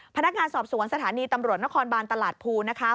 พนักงานสอบสวนสถานีตำรวจนครบานตลาดภูนะคะ